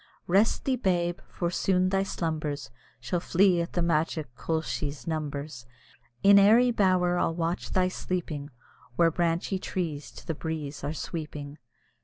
Rest thee, babe! for soon thy slumbers Shall flee at the magic koelshie's numbers; In airy bower I'll watch thy sleeping, Where branchy trees to the breeze are sweeping.